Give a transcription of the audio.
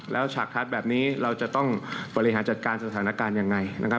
แล้วฉากคัดแบบนี้เราจะต้องบริหารจัดการสถานการณ์ยังไงนะครับ